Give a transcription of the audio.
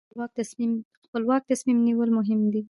خپلواک تصمیم نیول مهم دي.